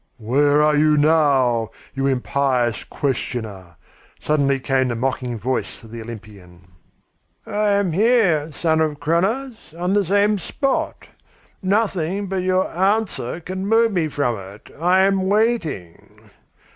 "Where are you now, you impious questioner?" suddenly came the mocking voice of the Olympian. "I am here, son of Cronos, on the same spot. Nothing but your answer can move me from it. I am waiting."